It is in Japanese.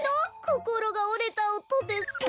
こころがおれたおとです。